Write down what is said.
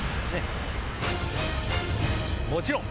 もちろん！